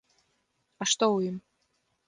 А што ў ім?